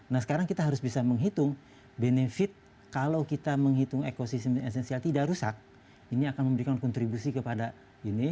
nah sekarang kita harus bisa menghitung benefit kalau kita menghitung ekosistem esensial tidak rusak ini akan memberikan kontribusi kepada ini